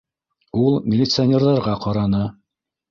- Ул милиционерҙарға ҡараны.